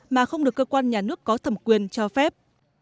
mà không được cơ quan nhà nước có thẩm quyền cho phép